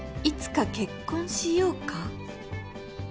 「いつか結婚しようか？」